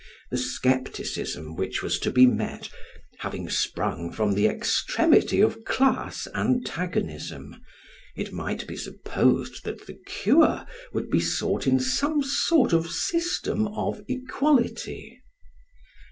The scepticism which was to be met, having sprung from the extremity of class antagonism, it might be supposed that the cure would be sought in some sort of system of equality.